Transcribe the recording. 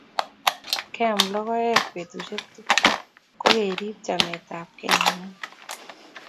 Keam logoek petusiek tugul ko kerip chametapkei nengung